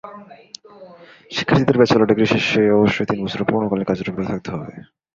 শিক্ষার্থীদের bachelor degree শেষে অবশ্যই তিন বছরের পূর্ণকালীন কাজের অভিজ্ঞতা থাকতে হবে।